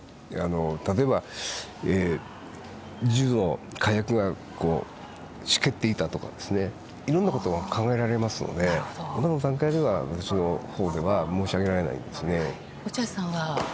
例えば、銃の火薬がしけっていたとかいろんなことが考えられますので今の段階では、私のほうでは申し上げられないですね。